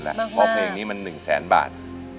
เพราะเพลงนี้มัน๑แสนบาท